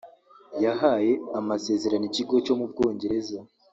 yahaye amasezerano ikigo cyo mu Bwongereza